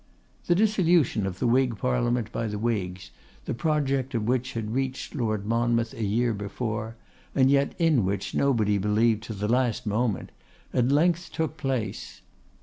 The dissolution of the Whig Parliament by the Whigs, the project of which had reached Lord Monmouth a year before, and yet in which nobody believed to the last moment, at length took place.